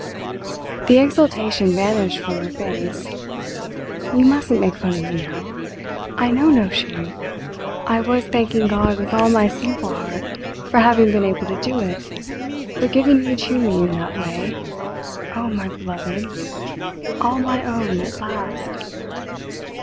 The exultation vanished from her face. "You mustn't make fun of me now. I know no shame. I was thanking God with all my sinful heart for having been able to do it for giving you to me in that way oh, my beloved all my own at last!"